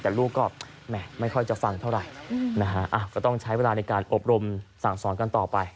แต่ลูกก็ไม่ค่อยจะฟังเท่าไหร่นะฮะก็ต้องใช้เวลาในการอบรมสั่งสอนกันต่อไป